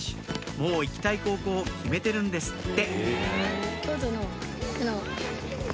もう行きたい高校を決めてるんですって